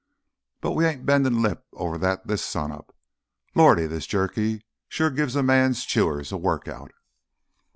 But we ain't bendin' lip over that this sunup. Lordy, this jerky sure gives a man's chewers a workout!"